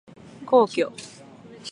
皇居